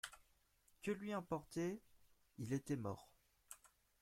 Que lui importait ? Il était mort.